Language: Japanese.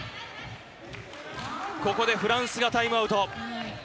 ここでフランスがタイムアウト。